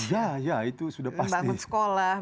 ya ya itu sudah pasti membangun sekolah